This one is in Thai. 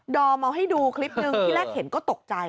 อมเอาให้ดูคลิปหนึ่งที่แรกเห็นก็ตกใจ